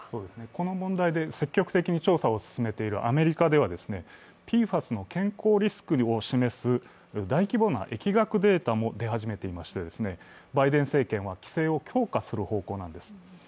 この問題で積極的に調査を進めているアメリカでは、ＰＦＡＳの健康リスクを示す大規模な疫学データも出始めていまして、バイデン政権は規制を強化する方向なんです。